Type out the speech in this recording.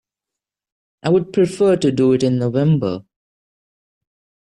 I would prefer to do it in November.